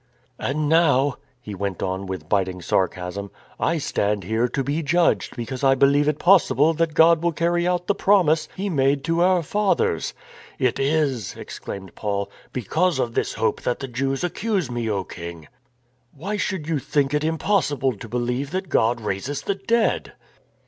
And now "— he went on with biting sar casm —" I stand here to be judged because I believe it possible that God will carry out the Promise He made to our fathers! It is," exclaimed Paul, "because of this hope that the Jews accuse me, O King! Why should you think it impossible to believe that God raises the dead